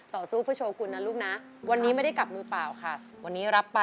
ต่อสู้เพื่อโชคุณนะลูกนะ